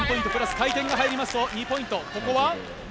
回転が入りますと２ポイント。